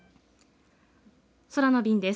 空の便です。